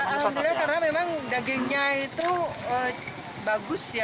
alhamdulillah karena memang dagingnya itu bagus ya